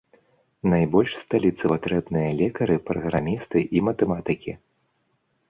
Найбольш сталіцы патрэбныя лекары, праграмісты і матэматыкі.